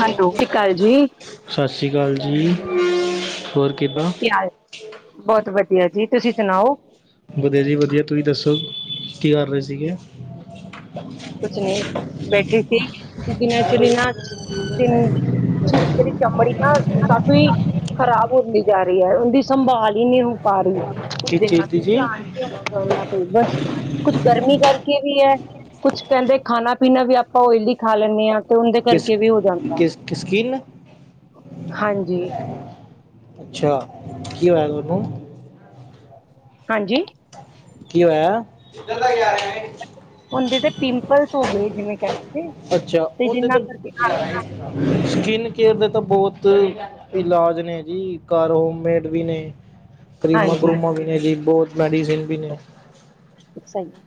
Hello, ਸਤਿ ਸ਼੍ਰੀ ਅਕਾਲ ਜੀ, ਸਤਿ ਸ੍ਰੀ ਅਕਾਲ ਜੀ ਹੋਰ [inaudible] ਕੀ ਹਾਲ ਬਹੁਤ ਵਧੀਆ ਜੀ ਤੁਸੀਂ ਸੁਣਾਓ। ਵਧੀਆ ਜੀ ਵਧੀਆ ਤੁਸੀਂ ਦੱਸੋ ਕੀ ਕਰ ਰਹੇ ਸੀਗੇ। ਕੁਛ ਨਹੀਂ ਬੈਠੀ ਸੀ ਕਿਉਂਕਿ ਨਾ ਐਕਚੁਲੀ ਨਾ ਤਿੰਨ ਮੇਰੀ ਚਮੜੀ ਨਾ ਕਾਫ਼ੀ ਖ਼ਰਾਬ ਹੁੰਦੀ ਜਾ ਰਹੀ ਹੈ ਉਹਦੀ ਸੰਭਾਲ ਹੀ ਨਹੀਂ ਹ। ਪਾਰੀ ਕੁਝ ਕਿਸ ਦਿਨਾਂ ਚੀਜ਼ ਦੀ ਤੇ ਜੀ ਧਿਆਨ ਨਹੀਂ ਆਉਂਦਾ ਉਹਨਾਂ ਤੇ ਬਸ ਕੁੱਛ ਗਰਮੀ ਕਰਕੇ ਵੀ ਹੈ। ਕੁਛ ਕਹਿੰਦੇ ਖਾਣਾ ਪੀਣਾ ਵੀ ਆਪਾਂ ਓਇਲੀ ਖਾ ਲੈਂਨੇ ਹਾਂ। ਤੇ ਉਹਦੇ ਕਿਸ ਕਰਕੇ ਵੀ ਹੋ ਜਾਂਦਾ ਕਿਸ ਕਿਸ ਸਕਿਨ ਹਾਂਜੀ। ਅੱਛਾ ਕੀ ਹੋਇਆ ਤੁਹਾਨੂੰ। ਹਾਂਜੀ। ਕੀ ਹੋਇਆ। ਉੰਦੇ ਤੇ ਪਿੰਪਲਸ ਹੋ ਗਏ ਜਿਵੇਂ ਕਹਿਦੇ। ਅੱਛਾ ਉਂਦੇ ਤੇ। ਸਕਿਨ ਕੇਅਰ ਦੇ ਤਾਂ ਬਹੁਤ ਇਲਾਜ ਨੇ ਜੀ ਘਰ ਹੋਮਮੇਡ ਵੀ ਨੇ। ਕਰੀਮਾ ਹਾਂਜੀ। ਕਰੂਮਾਂ ਵੀ ਨੇ ਜੀ ਬਹੁਤ ਮੈਡੀਸਨ ਵੀ ਨੇ। ਸਹੀ ਹੈ।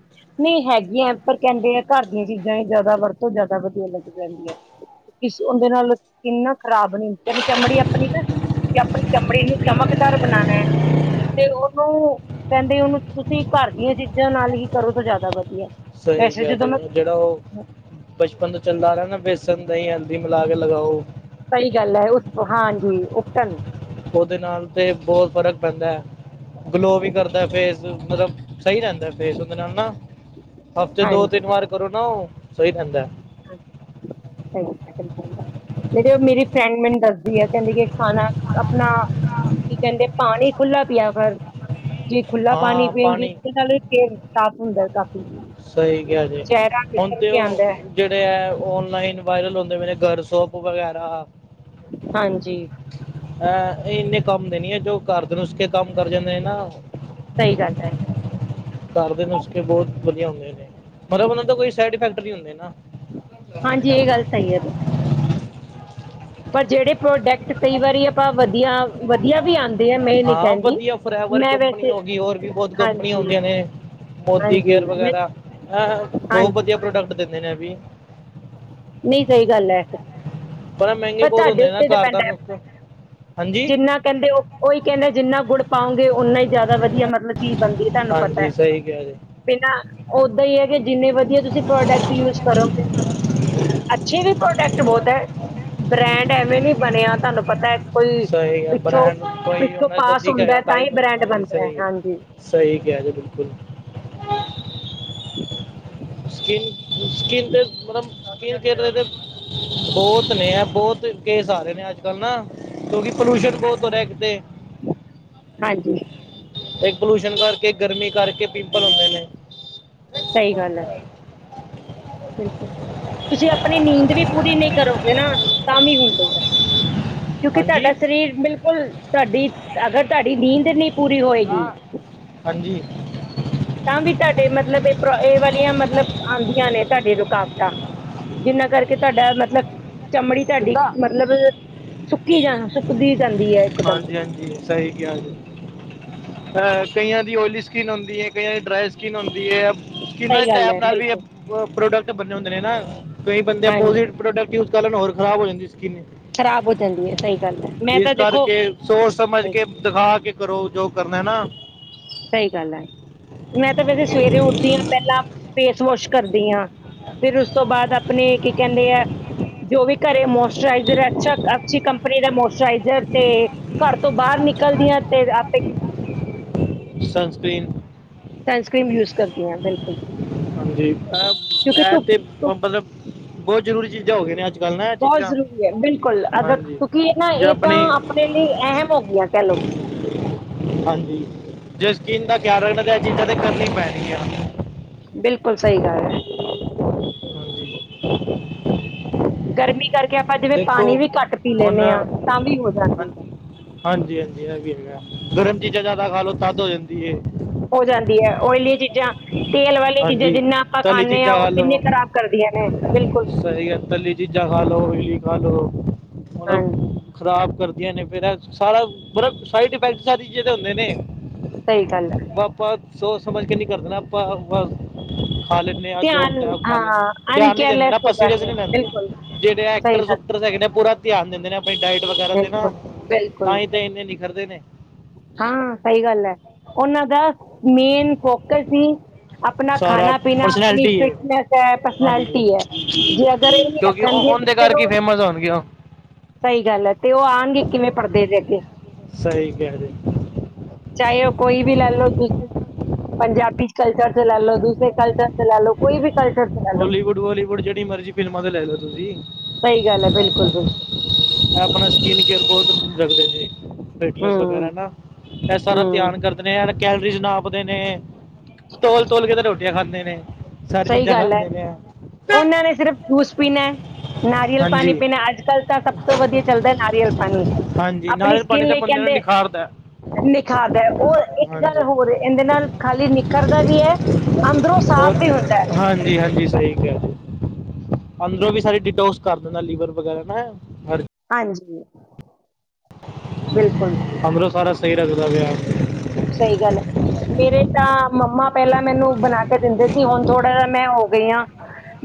ਨਹੀਂ ਹੈਗੀਆਂ ਪਰ ਕਹਿੰਦੇ ਆ ਘਰ ਦੀਆਂ ਚੀਜ਼ਾਂ ਹੀ ਜ਼ਿਆਦਾ ਵਰਤੋਂ ਜ਼ਿਆਦਾ ਵਧੀਆ ਲੱਗ ਜਾਂਦੀਆਂ। ਕਿਸ ਉਂਦੇ ਨਾਲ ਸਕਿੰਨ ਨਾ ਖ਼ਰਾਬ ਨੀ ਹੁੰਦੀ ਕਹਿੰਦੇ ਚਮੜੀ ਆਪਣੀ। ਤੇ ਆਪਣੀ ਚਮੜੀ ਨੂੰ ਚਮਕਦਾਰ ਬਣਾਣਾ। ਤੇ ਉਹਨੂੰ ਕਹਿੰਦੇ ਉਹਨੂੰ ਤੁਸੀਂ ਘਰ ਦੀਆਂ ਚੀਜ਼ਾਂ ਨਾਲ ਹੀ ਕਰੋ ਤਾਂ ਜ਼ਿਆਦਾ ਵਧੀਆ। ਸਹੀ ਵੈਸੇ ਕਿਹਾ ਜਦੋਂ ਜੀ ਮੈਂ ਜਿਹੜਾ ਉਹ ਬਚਪਨ ਤੋਂ ਚੱਲਦਾ ਆ ਰਿਹਾ ਨਾ। ਬੇਸਣ ਦਹੀਂ ਹਲਦੀ ਮਿਲਾ ਕੇ ਲਗਾਓ। ਸਹੀ ਗੱਲ ਹੈ ਉਸ ਹਾਂਜੀ ਉਪਟਨ। ਉਹਦੇ ਨਾਲ ਤੇ ਬਹੁਤ ਫ਼ਰਕ ਪੈਂਦਾ ਹੈ ਗਲੋ ਵੀ ਕਰਦਾ ਫੇਸ ਮਤਲਬ। ਸਹੀ ਰਹਿੰਦਾ ਫੇਸ ਉਹਦੇ ਨਾਲ ਨਾ ਹਫ਼ਤੇ ਦੋ ਤਿੰਨ ਵਾਰ ਕਰੋ ਨਾ ਉਹ ਸਹੀ ਰਹਿੰਦਾ ਹੈ। ਹਾਂ ਸਹੀ [unintelligible] ਜਿਹੜੀ ਮੇਰੀ ਫਰੈਂਡ ਮੈਨੂੰ ਦੱਸਦੀ ਐ ਕਹਿੰਦੀ ਕਿ ਖਾਣਾ ਆਪਣਾ ਕੀ ਕਹਿੰਦੇ ਪਾਣੀ ਖੁੱਲਾ ਪਿਆ ਕਰ। ਜੇ ਖੁੱਲਾ ਪਾਣੀ ਪੀਏਂਗੀ ਉਹਦੇ ਨਾਲ ਵੀ ਫੇਸ ਸਾਫ਼ ਹੁੰਦਾ ਕਾਫੀ। ਸਹੀ ਕਿਹਾ ਜੀ ਚੇਹਰਾ ਹੁਣ ਨਿਖਰ ਤੇ ਕੇ ਉਹ ਆਉਂਦਾ ਹੈ। ਜਿਹੜੇ ਹੈ ਔਨਲਾਈਨ ਵਾਇਰਲ ਹੁੰਦੇ ਪਾਏ ਨੇ ਘਰ ਸੋਪ ਵਗੈਰਾ। ਹਾਂਜੀ ਹਂ ਇੰਨੇ ਕੰਮ ਦੇ ਨੀ ਹੈ। ਜੋ ਘਰ ਦੇ ਨੁਕਸੇ ਕੰਮ ਕਰ ਜਾਂਦੇ ਨੇ ਨਾ। ਸਹੀ ਗੱਲ ਹੈ। ਘਰ ਦੇ ਨੁਸਕੇ ਬਹੁਤ ਵਧੀਆ ਹੁੰਦੇ ਨੇ। ਮਤਲਬ ਉਹਨਾਂ ਦਾ ਕੋਈ ਸਾਈਡ ਇਫੈਕਟ ਨੀ ਹੁੰਦੇ ਨਾ। ਹਾਂਜੀ ਇਹ ਗੱਲ ਸਹੀ ਹੈ ਪਰ ਜਿਹੜੇ ਪ੍ਰੋਡਕਟ ਕਈ ਵਾਰੀ ਆਪਾਂ ਵਧੀਆ ਵਧੀਆ ਵੀ ਆਉਂਦੇ ਆ ਮੈਂ ਇਹ ਨੀ ਹਾਂ ਕਹਿੰਦੀ ਵਧੀਆ ਫੋਰਐਵਰ ਮੈਂ ਕੰਪਨੀ ਵੈਸੇ। ਹੋ ਹੋਰ ਵੀ ਬਹੁਤ ਕੰਪਨੀਆਂ ਹਾਂਜੀ ਹੁੰਦੀਆਂ ਨੇ। ਮੋਦੀ ਹਾਂਜੀ ਕੇਅਰ ਮੈਂ ਵਗੈਰਾ ਬਹੁਤ ਹਾਂਜੀ ਵਧੀਆ ਪ੍ਰੋਡਕਟ ਦਿੰਦੇ ਨੇ ਇਹ ਵੀ। ਨਹੀਂ ਸਹੀ ਗੱਲ ਹੈ। ਮਹਿੰਗੇ ਪਰ ਬਹੁਤ ਹੁੰਦੇ ਤੁਹਾਡੇ ਨੇ ਨਾ ਉੱਤੇ ਘਰ ਦਾ ਡਿਪੈਂਡ ਹੈ ਨੁਸਖਾ ਹਾਂਜੀ ਜਿੰਨਾ ਕਹਿੰਦੇ ਉਹ ਉਹੀ। ਕਹਿੰਦੇ ਜਿੰਨਾ ਗੁੜ ਪਾਉਂ। ਉਨਾ ਹੀ ਜ਼ਿਆਦਾ ਵਧੀਆ ਮਤਲਬ ਚੀਜ਼ ਬਣਦੀ ਹੈ ਤੁਹਾਨੂੰ ਪਤਾ ਹੈ ਹਾਂਜੀ ਸਹੀ ਕਿਹਾ ਜੀ ਤੇ ਨਾਂ ਓਦਾਂ ਹੀ ਹੈ ਕਿ ਜਿੰਨੇ ਵਧੀਆ ਤੁਸੀਂ ਪ੍ਰੋਡੇਕਟ ਯੂਜ਼ ਕਰੋਗੇ। ਅੱਛੇ ਵੀ ਪ੍ਰੋਡਕਟ ਬਹੁਤ ਹੈ ਬ੍ਰੈਂਡ ਐਵੇਂ ਨੀ ਬਣਿਆ ਤੁਹਾਨੂੰ ਪਤਾ। ਕੋਈ ਸਹੀ ਹੈ ਪਿੱਛੋਂ ਬ੍ਰਾਂਡ ਕੋਈ ਪਿੱਛੋਂ ਉਹਨਾਂ ਕੋਲ ਪਾਸ ਦਿਖੇਗਾ ਹੁੰਦਾ ਤਾਂ ਹੀ ਬਣੇ ਬ੍ਰੈਂਡ ਹਾਂਜੀ ਬਣਦਾ ਹੈ ਸਹੀ ਹਾਂਜੀ। ਸਹੀ ਕਿਹਾ ਜੀ ਬਿਲਕੁਲ। [inaudible] ਸਕਿਨ ਸਕਿਨ ਤੇ ਮਤਲਬ ਸਕਿਨ ਕੇਅਰ ਦੇ ਤੇ ਬਹੁਤ ਨੇ ਏ ਬਹੁਤ। ਕੇਸ ਆ ਰਹੇ ਨੇ ਅੱਜ ਕੱਲ ਨਾ ਕਿਉਂਕਿ ਪੋਲਊਸ਼ਨ ਬਹੁਤ ਹੋ ਰਿਹਾ ਇੱਕ ਤੇ। ਹਾਂਜੀ ਤੇ ਪੋਲਿਊਸ਼ਨ ਕਰਕੇ ਗਰਮੀ ਕਰਕੇ ਪਿੰਪਲ ਹੁੰਦੇ ਨੇ। ਸਹੀ ਗੱਲ ਹੈ। ਬਿਲਕੁਲ ਤੁਸੀਂ ਆਪਣੀ ਨੀਂਦ ਵੀ ਪੂਰੀ ਨਹੀਂ ਕਰੋਗੇ ਨਾ ਤਾਂ ਵੀ ਹੁੰਦੇ ਆ। ਕਿਉਂਕਿ ਹਾਂਜੀ ਤੁਹਾਡਾ ਸ਼ਰੀਰ ਬਿਲਕੁਲ ਤੁਹਾਡੀ ਅਗਰ ਤੁਹਾਡੀ ਨੀਂਦ ਨਹੀਂ। ਪੂਰੀ ਹੋਏਗੀ ਹਾਂਜੀ ਤਾਂ ਵੀ ਤੁਹਾਡੇ ਮਤਲਬ ਇਹ। ਇਹ ਵਾਲੀਆਂ ਮਤਲਬ ਆਉਂਦੀਆਂ ਨੇ ਤੁਹਾਡੇ ਰੁਕਾਵਟਾਂ ਜਿੰਨਾਂ ਕਰਕੇ ਤੁਹਾਡਾ ਮਤਲਬ ਚਮੜੀ ਤੁਹਾਡੀ ਕਿੱਦਾਂ ਮਤਲਬ ਸੁੱਕੀ ਜਾਂ ਸੁੱਕਦੀ ਜਾਂਦੀ ਹੈ ਇਕਦਮ ਹਾਂਜੀ ਹਾਂਜੀ ਸਹੀ ਕਿਹਾ ਜੀ ਅਹ ਕਈਆਂ ਦੀ ਓਇਲਿਸ ਸਕਿਨ ਹੁੰਦੀ ਹੈ ਕਈਆਂ ਦੀ ਡਰਾਈ ਸਕਿਨ ਹੁੰਦੀ ਹੈ ਸਕਿਨ ਸਹੀ ਗੱਲ ਟੈਪ ਹੈ ਨਾਲ ਵੀ ਬਿਲਕੁਲ ਪ੍ਰੋਡਕਟ ਬੰੇ ਹੁੰਦੇ ਨੇ ਹਨ ਨਾ ਕਈ ਬੰਦੇੋ ਹਾਂਜੀ ਪ੍ਰੋਡਕਟ ਯੂਜ ਕਰਨ ਹੋਰ ਖਰਾਬ ਹੋ ਜਾਂਦੇ ਸੀ [unintelligible] ਕਿ ਖ਼ਰਾਬ ਹੋ ਜਾਂਦੀ ਹੈ ਸਹੀ ਗੱਲ ਹੈ ਮੈਂ ਤਾਂ ਇਸ ਦੇਖੋ ਕਰਕੇ ਸੋਚ ਸਮਝ ਕੇ ਦਿਖਾ ਕੇ ਕਰੋ ਜੋ ਕਰਨਾ ਨਾ ਸਹੀ ਗੱਲ ਹੈ ਮੈਂ ਤਾਂ ਵੇਸੇ ਸਵੇਰੇ ਉੱਠਦੀ ਹਾਂ ਪਹਿਲਾਂ ਫੇਸ ਵਾਸ਼ ਕਰਦੀ ਹਾਂ। ਫਿਰ ਉਸ ਤੋਂ ਬਾਅਦ ਆਪਣੇ ਕੀ ਕਹਿੰਦੇ ਆ? ਜੋ ਵੀ ਘਰੇ ਮੋਇਸਚਰਾਈਜ਼ਰ ਅੱਛਾ ਅੱਛੀ ਕੰਪਨੀ ਦਾ ਮੋਸਚਰਾਈਜ਼ਰ ਤੇ ਘਰ ਤੋਂ ਬਾਹਰ ਨਿਕਲ। ਨਿਕਲਦੀਆਂ ਤੇ ਆਪੇ ਸਨਸਕ੍ਰੀਨ ਸਨਸਕ੍ਰੀਨ ਯੂਜ ਕਰਦੀ ਹਾਂ ਬਿਲਕੁਲ ਹਾਂਜੀ ਕਿਉਂਕਿ ਇਹ ਧੁੱਪ ਤੇ ਧੁੱਪ ਮਤਲਬ ਬਹੁਤ ਜ਼ਰੂਰੀ ਚੀਜ਼ਾਂ ਹੋ ਗਈ ਨੇ ਅੱਜ ਕੱਲ੍ਹ ਨਾ ਇਹ ਬਹੁਤ ਚੀਜ਼ਾਂ ਜ਼ਰੂਰੀ ਹੈ ਬਿਲਕੁਲ ਅਗਰ ਹਾਂਜੀ ਕਿਉਂਕਿ ਇਹ ਨਾ ਜੇ ਇਹ ਤਾਂ ਆਪਣੀ ਆਪਣੇ ਲਈ ਅਹਿਮ ਹੋ ਗਈਆਂ ਕਹਿ ਲਓ [inaudible] [inaudible] ਹਾਂਜੀ ਜੇ ਸਕਿਨ ਦਾ ਧਿਆਨ ਰੱਖਣ ਬਿਲਕੁਲ ਸਹੀ ਗੱਲ ਹੈ ਹਾਂਜੀ ਗਰਮੀ ਕਰਕੇ ਕਿ ਆਪਾਂ ਜਿਵੇਂ ਦੇਖੋ ਪਾਣੀ ਵੀ ਘੱਟ ਪੀ ਲੈਂਦੇ ਹਾਂ ਤਾਂ ਵੀ ਹੋ ਜਾਂਦੀ ਹੈ। ਹਾਂਜੀ ਹਾਂਜੀ ਇਹ ਵੀ ਹੈਗਾ ਗਰਮ ਚੀਜ਼ਾਂ ਜ਼ਿਆਦਾ ਖਾ ਲੋ ਤੱਦ ਹੋ ਜਾਂਦੀ ਏ ਹੋ ਜਾਂਦੀ ਹੈ ਓਇਲੀਆਂ ਚੀਜ਼ਾਂ ਤੇਲ ਵਾਲੀਆਂ ਚੀਜ਼ਾਂ ਹਾਂਜੀ ਜਿੰਨਾ ਆਪਾਂ ਤਲੀ ਖਾਂਦੇ ਹਾਂ ਚੀਜ਼ਾਂ ਉਹ ਖਾ ਕਿੰਨੇ ਲਓ ਖਰਾਬ ਕਰ ਸਹੀ ਹੈ ਤੱਲੀ ਚੀਜ਼ਾਂ ਖਾ ਲੋੋ ਔਲੀ ਖਾ ਲੋ ਮਤਲਬ ਹਾਂਜੀ ਖਰਾਬ ਕਰ ਜੀ ਹਾਂਜੀ ਸਾਰਾ ਸਇਫੈਕਟ ਸਾਰੀ ਚੀਜ਼ ਤੇ ਹੁੰਦੇ ਨੇ ਸਹੀ ਗੱਲ ਹੈ ਆਪਪਾ ਸੋਚ ਸਮਝ ਕੇ ਨਹੀ ਕਰਨਾ ਆਪਾਂ ਬ ਖਾ ਲੈਂਦੇ ਜੋ ਧਿਆਨ ਖਾ ਹਾਂ ਲੈਂਦੇ ਧਿਆਨ ਨੀ ਦਿੰਦੇ ਅਨਕੇਅਰਲੈਸ ਨਾ ਆਪ ਹੋ ਸੀਰੀਅਸ ਜਾਂਦੇ ਆ ਨੀ ਲੈਂਦੇ ਬਿਲਕੁਲ ਜਿਹੜੇ ਸਹੀ ਗੱਲ ਟੈਕਟਰਕਟਰ ਪੂਰਾ ਧਿਆਨ ਦਿੰਦੇ ਨੇ ਆਪਣੀ ਡਾਇਟ ਵਗੈਰਾ ਤੇ ਨਾ ਬਿਲਕੁਲ ਬਿਲਕੁਲ ਤਾਂਹੀ ਤਾਂ ਇੰਨੇ ਨਿਖਰਦੇ ਨੇ ਹਾਂ ਸਹੀ ਗੱਲ ਹੈ ਉਹਨਾਂ ਦਾ ਮੇਨ ਫੋਕਸ ਸੀ ਆਪਣਾ ਸਾਰਾ ਖਾਣਾ ਪੀਣਾ, ਆਪਣੀ ਪਰਸਨੈਲਿਟੀ ਫਿਟਨੈਸ ਹੈ, ਹਾਂਜੀ ਪਰਸਨੈਲਿਟੀ ਹੈ ਜੇ ਅਗਰ ਇਹ ਨਹੀ ਰੱਖਣਗੇ ਤੇ ਫੋਨ ਦੇ ਫਿਰ ਕਰਕੇ ਉਹ ਫੇਮਸ ਹੋਣਗੇ ਉਹ ਸਹੀ ਗੱਲ ਹੈ ਤੇ ਉਹ ਆਉਣਗੇ ਕਿਵੇਂ ਪੜ੍ਹਦੇ ਦੇ ਅੱਗੇ ਸਹੀ ਕਹਿ ਰਹੇ ਚਾਹੇ ਉਹ ਕੋਈ ਵੀ ਲੈ ਲਓ ਤੁਸੀਂ ਪੰਜਾਬੀ ਕਲਚਰ ਚ ਲੈ ਲੋ ਦੂਸਰੇ ਕਲਚਰ ਤੇ ਲੈ ਲੋ ਕੋਈ ਵੀ ਕਲਚਰ ਚ ਲੈ ਲਓ ਹੋੋਲੀਵੁੱਡ ਵਾਲੀਵੁੱਡ ਜਿਹੜੀ ਮਰਜ਼ੀ ਫਿਲਮਾਂ ਤੇ ਲੈ ਲਓ ਤੁਸੀਂ ਸਹੀ ਗੱਲ ਹੈ ਬਿਲਕੁਲ-ਬਿਲਕੁਲ ਬਹੁਤਦੇ ਨੇ ਫਿਟਨਸ ਹਮ ਵਗੈਰਾ ਨਾ ਇਹ ਸਾਰਾ ਹਮ ਧਿਆਨ ਕਰਦੇ ਨੇ ਕੈਲਰੀਜ਼ ਨਾਪਦੇ ਨੇ ਤੋਲ-ਤੋਲ ਕੇ ਤਾਂ ਰੋਟੀਆਂ ਖਾਂਦੇ ਨੇ ਸਾਰੀ ਸਹੀ ਚੀਜ਼ਾਂ ਖਾ ਗੱਲ ਉਹਨਾਂ ਨੇ ਸਿਰਫ ਜੂਸ ਪੀਣਾ ਨਾਰੀਅਲ ਪਾਣੀ ਹਾਂਜੀ ਪੀਣਾ ਅੱਜ ਕੱਲ੍ਹ ਤਾਂ ਸਭ ਤੋਂ ਵਧੀਆ ਚੱਲਦਾ ਨਾਰੀਅਲ ਪਾਣੀ ਹਾਂਜੀ ਆਪਣੀ ਨਾਰੀਅਲ ਪਾਣੀ ਸਕਿਨ ਤਾਂ ਲਈ ਬੰਦੇ ਨੂੰ ਕਹਿੰਦੇ ਨਿਖਾਰਦਾ ਨਿਖਾਰਦਾ ਉਹ ਇੱਕ ਗੱਲ ਹਾਂਜੀ ਹੋਰ ਇਹਦੇ ਨਾਲ ਖਾਲੀ ਨਿਖਰਦਾ ਵੀ ਹੈ। ਅੰਦਰੋਂ ਹੋਰ ਸਾਫ਼ ਵੀ ਹੁੰਦਾ। ਹੈ ਹਾਂਜੀ ਹਾਂਜੀ ਸਹੀ ਕਿਹਾ ਜੀ, ਅੰਦਰੋਂ ਵੀ ਸਾਰੀ ਡਿਟੋਸ ਕਰ ਦਿੰਦਾ ਲੀਵਰ ਵਗੈਰਾ ਨਾ ਹਰ ਹਾਂਜੀ ਬਿਲਕੁਲ। ਸਹੀ ਲਗਦਾ ਵੈ ਐ ਸਹੀ ਗੱਲ ਹੈ। ਮੇਰੇ ਤਾਂ ਮੰਮਾ ਪਹਿਲਾਂ ਮੈਨੂੰ ਬਣਾ ਕੇ ਦਿੰਦੇ ਸੀ, ਹੁਣ ਥੋੜ੍ਹਾ ਜਿਹਾ ਮੈਂ ਹੋ ਗਈ ਹਾਂ।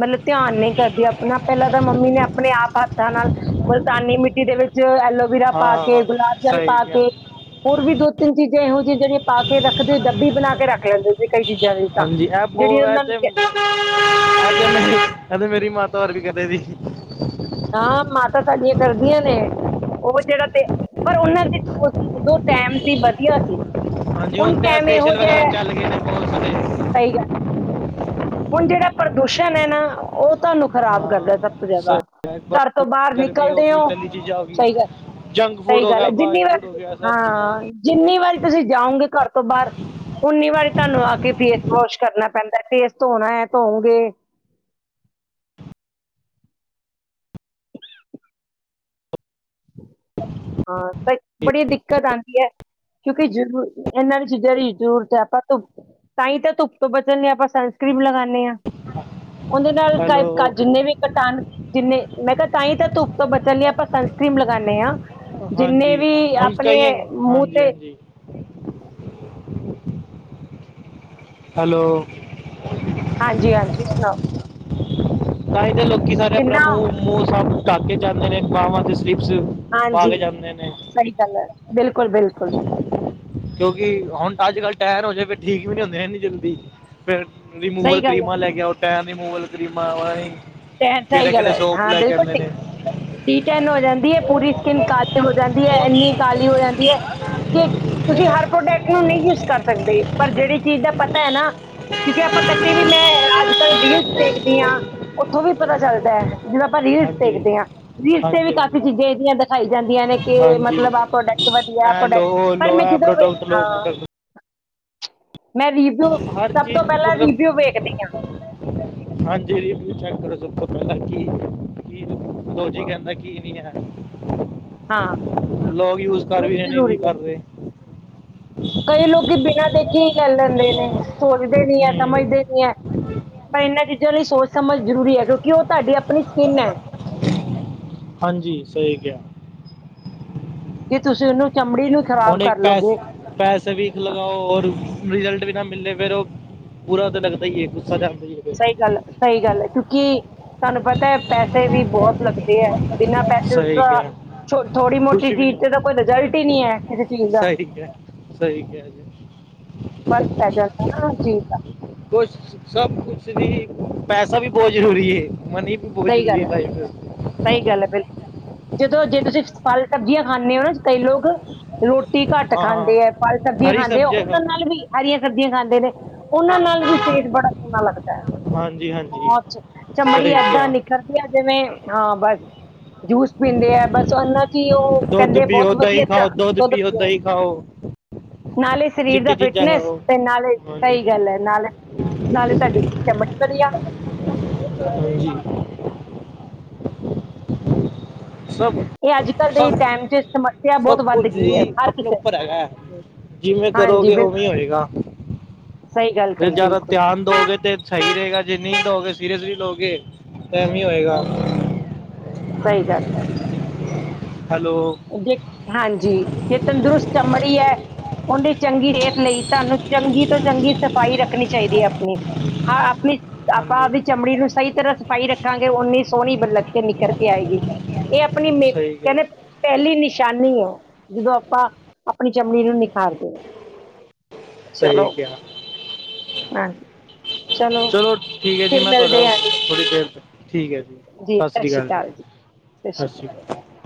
ਮਤਲਬ ਧਿਆਨ ਨਹੀਂ ਕਰਦੀ ਆਪਣਾ ਪਹਿਲਾਂ ਤਾਂ ਮੰਮੀ ਨੇ ਆਪਣੇ ਆਪ ਹੱਥਾਂ ਨਾਲ ਮੂਲਤਾਨੀ ਮਿੱਟੀ ਦੇ ਵਿੱਚ ਐਲੋ ਐਲੋਵਰਾ ਪਾ ਕੇ, ਗੁਲਾਬ ਜਲ ਪਾ ਕੇ ਹੋਰ ਵੀ ਦੋ ਤਿੰਨ ਚੀਜ਼ਾਂ ਇਹੋ ਜਿਹੀਆਂ ਜਿਹੜੀਆਂ ਪਾ ਕੇ ਰੱਖਦੇ ਡੱਬੀ ਬਣਾ ਕੇ ਰੱਖ ਲੈਂਦੇ ਸੀ, ਕਈ ਚੀਜ਼ਾਂ ਦੀ ਤਾਂ ਹਾਂਜੀ ਜਿਹੜੀ ਉਹਨਾਂ ਨੂੰ। ਐ ਤੇ ਮੇਰੀ ਮਾਤਾ ਵਰਗੇ ਵੀ ਕਦੇ ਦੀ। ਨਾਂ ਮਾਤਾਾਂ ਸਾਡੀਆਂ ਕਰਦੀਆਂ ਨੇ ਉਹ ਜਿਹੜਾ ਤੇ ਪਰ ਉਹਨਾਂ ਚ। ਉਦੋਂ ਟਾਈਮ ਸੀ ਵਧੀਆ ਸੀ। ਹਾਂਜੀ, ਹੁਣ ਤੇ ਟਾਈਮ ਇਹੋ ਫੇਸ਼ੀਅਲ ਜਿਹਾ ਵਗੈਰਾ ਹੈ, ਚੱਲ ਗਏ ਬਹੁਤ ਸਹੀ ਗੱਲ ਸਾਰੇ। ਹੁਣ ਜਿਹੜਾ ਪ੍ਰਦੂਸ਼ਣ ਹੈ ਨਾ ਉਹ। ਤੁਹਾਨੂੰ ਖ਼ਰਾਬ ਕਰਦਾ ਸਭ ਤੋਂ ਜਿਆਦਾ ਘਰ ਤੋਂ ਬਾਹਰ ਨਿਕਲਦੇ ਹੋ ਸਹੀ ਗੱਲ। ਸਹੀ ਗੱਲ ਹੈ, ਜਿੰਨੀ ਵਾਰੀ ਹਾਂ ਜਿੰਨੀ ਵਾਰੀ ਤੁਸੀਂ ਜਾਓਗੇ ਘਰ ਤੋਂ ਬਾਹਰ। ਉਨੀ ਵਾਰੀ ਤੁਹਾਨੂੰ ਆ ਕੇ ਫੇਸ ਵਾਸ਼ ਕਰਨਾ ਪੈਂਦਾ ਫੇਸ ਧੋਣਾ ਹੈ ਧੋਉਗੇ। ਹਾਂ ਤਾਂ ਬੜੀ ਦਿੱਕਤ ਆਉਂਦੀ ਹੈ। ਕਿਉਂਕਿ ਇਹਨਾਂ ਨੇ ਚੀਜ਼ਾਂ ਦੀ ਜ਼ਰੂਰਤ ਹੈ, ਆਪਾਂ ਧੁੱਪ ਤਾਂਹੀਂ ਤਾਂ ਧੁੱਪ ਤੋਂ ਬਚਣ ਲਈ ਆਪਾਂ ਸਨ ਕਰੀਮ। ਲਗਾਨੇ ਆ। ਉਹਦੇ ਨਾਲ ਜਿੰਨੇ ਵੀ ਕਿਟਾਣੂ ਜਿੰਨੇ ਮੈਂ ਕਿਹਾ ਤਾਂਈ ਤਾਂ ਆਪਾ ਧੁੱਪ ਤੋਂ ਬਚਣ ਲਈ ਆਪਾ ਸਨ। ਕਰੀਮ ਲਗਾਨੇ ਆ। ਹਾਂਜੀ ਹੁਣ ਕਹੀਏ ਮੂੰਹ ਹਾਂਜੀ, ਤੇ ਹਾਂਜੀ। ਹੈਲੋ। ਹਾਂਜੀ, ਹਾਂਜੀ ਸੁਣਾਓ? ਤਾਂਹੀ ਤਾਂ ਲੋਕੀ ਸਾਰੇ ਅਪਨਾ ਕਿੰਨਾ ਮੂੰਹ, ਮੂੰਹ ਸਭ ਢੱਕ ਕੇ ਜਾਂਦੇ ਨੇ ਬਾਵਾਂ ਤੇ। ਟਿਪਸ ਪਾ ਹਾਂਜੀ ਕੇ ਜਾੰਦੇ ਨੇ। ਸਹੀ ਗੱਲ ਹੈ ਬਿਲਕੁਲ ਬਿਲਕੁਲ ਕਿਉਂਕਿ ਹੁਣ ਤਾਂ ਅੱਜ- ਕੱਲ ਤ ਹੋ ਜੇ ਫ ਠੀਕ ਵੀ ਨਹੀਂ ਹੁੰਦੇ ਏਨੀ ਜਲਦੀ ਫਿਰ ਰਿਮੂਵਲ ਸਹੀ ਗੱਲ ਹੈ ਕਰੀਮਾਂ ਲੈ ਕੇ ਉਹ ਟੈਨ ਰਿਮੂਵਲ ਕਰੀਮਾ। ਇਹ ਸਹੀ ਗੱਲ ਹੈ ਹਾਂ ਬਿਲਕੁਲ ਆਉਂਦੇ ਠੀਕ। ਨੇ ਡੀ ਟੈਨ ਹੋ ਜਾਂਦੀ ਹੈ, ਪੂਰੀ ਸਕਿਨ ਕਾਲੀ ਹੋਜਾਂਦੀ ਹੈ, ਇੰਨੀ ਕਾਲੀ ਹੋ ਜਾਂਦੀ ਹੈ। ਕਿ ਤੁਸੀਂ ਹਰ ਪ੍ਰੋਡਕਟ ਨੂੰ ਨਹੀਂ ਯੂਜ ਕਰ ਸਕਦੇ ਪਰ ਜਿਹੜੀ ਚੀਜ਼ ਦਾ ਪਤਾ ਹੈ ਨਾ। ਕਿਉਂਕਿ ਆਪਾਂ ਕਦੀ ਵੀ ਮੈਂ ਅੱਜ -ਕੱਲ੍ਹ ਰੀਲਸ ਦੇਖਦੀ ਹਾਂ। ਉੱਥੋਂ ਵੀ ਪਤਾ ਚੱਲਦਾ ਹੈ ਜਦੋਂ ਆਪਾਂ ਰੀਲਸ ਹਾਂਜੀ ਦੇਖਦੇ ਹਾਂ, ਰੀਲਸ ਤੇ ਵੀ ਹਾਂਜੀ ਕਾਫ਼ੀ ਹਾਂਜੀ ਚੀਜ਼ਾਂ ਇਹਦੀਆਂ ਦਿਖਾਈ ਜਾਂਦੀਆਂ ਨੇ। ਕਿ ਹਾਂਜੀ ਮਤਲਬ ਆਹ ਪ੍ਰੋਡਕਟ ਵਧੀਆ ਇਹ ਪ੍ਰੋਡਕਟ ਲਓ ਪਰ ਲਓ ਮੈਂ ਇਹ ਜਦੋਂ ਵੀ ਪ੍ਰੋਡਕਟ ਲਓ ਹਾਂ। ਪ੍ਰੋਡਕਟ ਮੈਂ ਰੀ। ਹਰ ਚੀਜ਼ ਮਤਲਬ, ਹਾਂਜੀ ਤੁਸੀ ਚੈਕ ਕਰੋ। ਸਭ ਤੋਂ ਪਹਿਲਾਂ ਕੀ ਕੀ ਫੋਜੀ ਹਾਂ ਕਹਿੰਦਾ ਕੀ ਨਹੀਂ ਹੈ। ਹਾਂ ਲੋਕ ਯੂਜ ਕਰ ਉਹ ਵੀ ਰਹੇ ਨਹੀਂ ਵੀ ਜ਼ਰੂਰੀ ਹੈ ਕਰ ਰਹੇ। ਕਈ ਲੋਕੀ। ਇਹਨਾਂ ਦੇ ਕੀ ਲੈ ਲੈਂਦੇ ਨੇ ਸੋਚਦੇ ਨੀ ਹੈ ਸਮਝਦੇ ਹੂੰ ਨੀ ਹੈ ਪਈ ਇਹਨਾਂ ਚ। ਲਈ ਸੋਚ ਸਮਝ ਜਰੂਰੀ ਹੈ, ਕਿਉਂਕਿ ਉਹ ਤੁਹਾਡੀ ਆਪਣੀ ਸਕਿੰਨ ਹੈ। ਹਾਂਜੀ ਸਹੀ ਕਿਹਾ। ਕਿ ਤੁਸੀਂ ਉਹਨੂੰ। ਚਮੜੀ ਨੂੰ ਖ਼ਰਾਬ ਉਹਨੇ ਕਰ ਪੈਸ, ਲੋਗੇ ਪੈਸੇ ਵੀ ਲਗਾਓ ਔਰ। ਰਿਜਲਟ ਵੀ ਨਾ ਮਿਲੇ ਫੇਰ ਉਹ ਬੁਰਾ ਤਾਂ ਲੱਗਦਾ ਹੀ ਹੈ। ਗੁੱਸਾ ਚੜਦਾ। ਸਹੀ ਗੱਲ ਹੈ, ਸਹੀ ਗੱਲ ਹੈ ਕਿਉਂਕਿ। ਤੁਹਾਨੂੰ ਪਤਾ ਹੈ, ਪੈਸੇ ਵੀ ਬਹੁਤ ਲੱਗਦੇ ਹੈ ਬਿਨਾਂ ਪੈਸੇ ਉਸ ਦਾ। ਥੋੜ੍ਹੀ ਮੋਟੀ ਚੀਜ਼ ਤੇ ਤਾਂ ਕੋਈ ਰਿਜਲਟ ਹੀ ਨਹੀਂ ਹੈ। ਕਿਸੇ ਚੀਜ਼ ਦਾ ਸਹੀ ਕਿਹਾ ਸਹੀ ਕਿਹਾ ਜੇ। ਫ਼ਰਕ ਪੈ ਜਾਂਦਾ ਨਾ ਹਰ ਚੀਜ਼ ਦਾ ਕੁਛ ਸਭ ਕੁਛ। ਪੈਸਾ ਵੀ ਬਹੁਤ ਜ਼ਰੂਰੀ ਹੈ। ਮਨੀ ਵੀ ਬਹੁਤ ਸਹੀ ਜ਼ਰੂਰੀ ਗੱਲ ਹੈ ਲਾਈਫ ਚ। ਸਹੀ ਗੱਲ ਹੈ ਬਿਲਕੁਲ ਜਦੋਂ ਜੇ ਤੁਸੀਂ ਫਲ ਸਬਜ਼ੀਆਂ ਖਾਂਦੇ ਹੋ ਨਾ ਕਈ ਲੋਕ। ਰੋਟੀ ਘੱਟ ਖਾਂਦੇ ਹੈ ਫ਼ਲ ਸਬਜ਼ੀਆਂ ਖਾਂਦੇ ਆ ਉਹਨਾਂ ਨਾਲ ਵੀ, ਹਰੀਆਂ ਸਬਜ਼ੀਆਂ ਖਾਂਦੇ ਨੇ ਉਹਨਾਂ ਨਾਲ ਵੀ। ਫੇਸ ਬੜਾ ਸੋਹਣਾ ਲੱਗਦਾ ਹੈ। ਹਾਂਜੀ ਬਹੁਤ ਚਮੜੀ ਸਾਰੇ। ਏਦਾਂ ਨਿਕਲਦੀ ਆ ਜਿਵੇਂ ਹਾਂ ਬਸ ਜੂਸ ਪੀਂਦੇ ਆ, ਬਸ ਉਹਨਾਂ ਕਿ ਉਹ ਦੁੱਧ ਕਹਿੰਦੇ ਬਹੁਤ ਪੀਓ ਵਧੀਆ ਦਹੀਂ ਖਾਓ ਚਾਹ, ਦੁੱਧ ਪੀਓ। ਦਹੀਂ ਖਾਓ ਨਾਲੇ ਸਰੀਰ ਦਾ ਚਿੱਟੀ ਚੀਜ਼ਾਂ ਫਿਟਨੈਸ ਖਾਓ ਤੇ ਨਾਲੇ ਹਾਂਜੀ ਸਹੀ ਗੱਲ ਐ, ਨਾਲੇ ਨਾਲੇ ਤੁਹਾਡੀ ਚਮਟ ਵਧੀਆ। [unintelligible] ਸਭ ਇਹ ਅੱਜ -ਕੱਲ੍ਹ ਦੇ ਸਭ ਟਾਈਮ ਚ ਇਸਤੇਮਾਲ ਸਿਆ ਸਭ ਬਹੁਤ ਕੁਝ ਵੱਧ ਗਈ ਐ ਹੀ ਹਰ ਆਪਣੇ ਕਿਸੇ ਉੱਪਰ ਹੈਗਾ ਹੈ। ਚ, ਜਿਵੇਂ ਹਾਂਜੀ ਕਰੋਗੇ ਬਿਲਕੁਲ ਉਵੇਂ ਹੀ ਹੋਏਗਾ [inaudible] ਜੇ ਕਹੀ ਜ਼ਿਆਦਾ ਬਿਲਕੁਲ ਧਿਆਨ ਦਓਗੇ ਤੇ ਸਹੀ ਰਹੇਗਾ, ਜੇ ਨਹੀਂ ਦਓਗੇ ਸੀਰੀਅਸ ਨੀ ਲਓਗੇ, ਤਾਂ ਐਵੀਂ ਹੋਏਗਾ। ਸਹੀ ਗੱਲ ਐ। ਹੈਲੋ ਜੇ ਹਾਂਜੀ ਜੇ ਤੰਦਰੁਸਤ ਚਮੜੀ ਐ ਉਹਦੀ ਚੰਗੀ ਸਿਹਤ ਲਈ ਤੁਹਾਨੂੰ ਚੰਗੀ ਤੋਂ ਚੰਗੀ ਸਫ਼ਾਈ ਰੱਖਣੀ ਚਾਹੀਦੀ ਐ। ਹੂੰ, ਹਾਂ ਆਪਣੀ ਆਪਾਂ ਹਾਂਜੀ ਆਪਦੀ ਚਮੜੀ ਨੂੰ ਸਹੀ ਤਰ੍ਹਾਂ ਸਫ਼ਾਈ ਰੱਖਾਂਗੇ, ਓਨੀ ਸੋਹਣੀ ਬਲਕਿ ਨਿਕਰ ਕੇ ਆਏਗੀ। ਇਹ ਆਪਣੀ ਮੇ ਸਹੀ ਕਿਹਾ ਕਹਿੰਦੇ ਪਹਿਲੀ ਨਿਸ਼ਾਨੀ ਐ, ਜਦੋਂ ਆਪਾਂ ਆਪਣੀ ਚਮੜੀ ਨੂੰ ਨਿਖਾਰਦੇ ਹਾਂ। ਸਹੀ ਚਲੋ ਕਿਹਾ। ਹਾਂਜੀ ਚਲੋ ਠੀਕ ਹੈ ਜੀ, ਫਿਰ ਮੈਂ ਤੁਹਾਡਾ ਮਿਲਦੇ ਹਾਂ ਜੀ ਥੋੜੀ ਦੇਰ ਠੀਕ ਹੈ ਜੀ ਸਸ ਸਤਿ ਰੀ ਸ਼੍ਰੀ ਕਾਲ ਜੀ, ਅਕਾਲ ਸਤਿ ਸ਼੍ਰੀ ਸਸ ਅਕਾਲ ਰੀ ਕਾਲ।